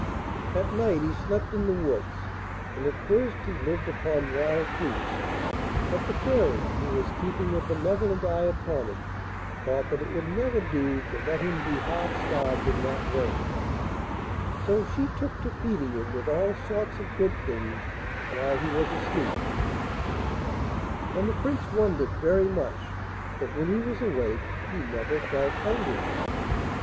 At night he slept in the woods, and at first he lived upon wild fruits; but the Fairy, who was keeping a benevolent eye upon him, thought that it would never do to let him be half starved in that way, so she took to feeding him with all sorts of good things while he was asleep, and the Prince wondered very much that when he was awake he never felt hungry!